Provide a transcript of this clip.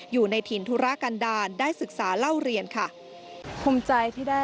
อยู่ในถิ่นธุรกัณฑาได้ศึกษาเล่าเรียนค่ะ